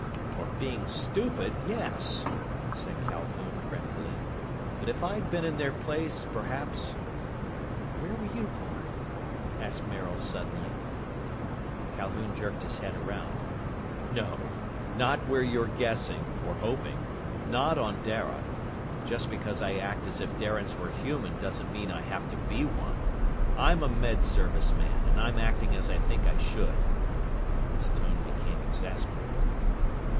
"For being stupid, yes," said Calhoun fretfully. "But if I'd been in their place, perhaps " "Where were you born?" asked Maril suddenly. Calhoun jerked his head around. "No! Not where you're guessing, or hoping. Not on Dara. Just because I act as if Darians were human doesn't mean I have to be one! I'm a Med Service man, and I'm acting as I think I should." His tone became exasperated.